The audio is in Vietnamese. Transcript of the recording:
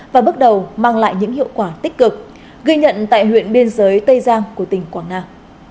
và bước đầu mang lại những hiệu quả tích cực ghi nhận tại huyện biên giới tây giang của tỉnh quảng nam